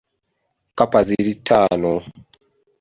Kkapa ziri ttaano .